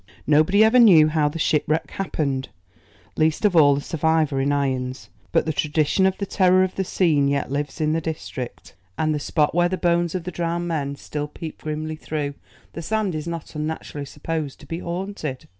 Nobody ever knew how the shipwreck happened, least of all the survivor in irons, but the tradition of the terror of the scene yet lives in the district, and the spot where the bones of the drowned men still peep grimly through the sand is not unnaturally supposed to be haunted.